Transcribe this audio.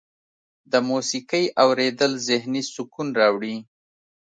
د موسیقۍ اوریدل ذهني سکون راوړي.